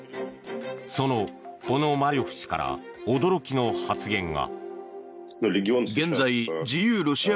そのポノマリョフ氏から驚きの発言が。